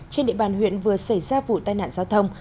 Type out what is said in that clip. trên địa bàn huyện vừa xảy ra vụ tai nạn giao thông